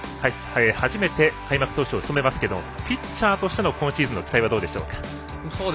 初めて開幕投手を務めますけどピッチャーとしての今シーズンの期待はどうでしょうか？